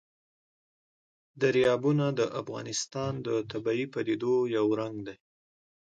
دریابونه د افغانستان د طبیعي پدیدو یو رنګ دی.